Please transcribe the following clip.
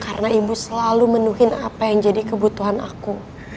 karena ibu selalu menuhin apa yang jadi kebutuhan aku